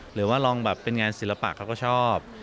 หรือว่าลองแบบเป็นงานศิลปะเขาก็ชอบ